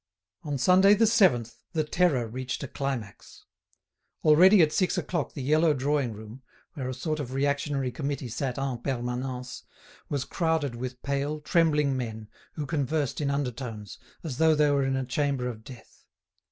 On Sunday the 7th the terror reached a climax. Already at six o'clock the yellow drawing room, where a sort of reactionary committee sat en permanence, was crowded with pale, trembling men, who conversed in undertones, as though they were in a chamber of death.